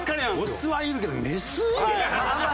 オスはいるけどメス？